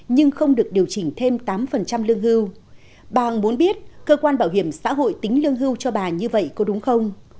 nhưng không được điều chỉnh thêm tám lương hưu bàng muốn biết cơ quan bảo hiểm xã hội tính lương hưu cho bà như vậy có đúng không